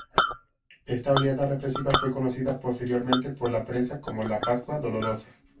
Esta oleada represiva fue conocida posteriormente por la prensa como la Pascua Dolorosa.